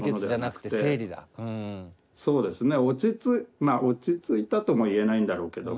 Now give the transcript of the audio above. まあ落ち着いたとも言えないんだろうけども。